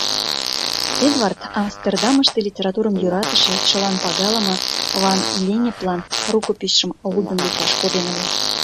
Эдвард Амстердамыште литературым йӧратыше, чылан пагалыме Ван-Леннеплан рукописьшым лудын лекташ коден ыле.